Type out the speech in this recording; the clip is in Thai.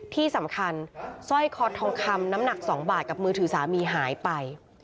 ที่สำคัญสร้อยคอทองคำน้ำหนัก๒บาทกับมือถือสามีหายไป